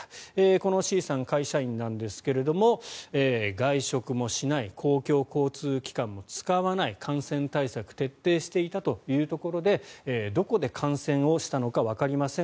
このＣさん、会社員なんですが外食もしない公共交通機関も使わない感染対策徹底していたというところでどこで感染をしたのかわかりません